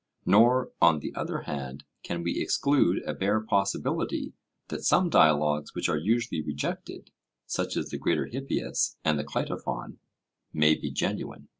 Nor, on the other hand, can we exclude a bare possibility that some dialogues which are usually rejected, such as the Greater Hippias and the Cleitophon, may be genuine.